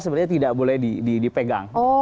sebenarnya tidak boleh dipegang